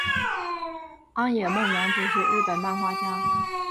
安野梦洋子是日本漫画家。